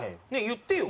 言ってよ。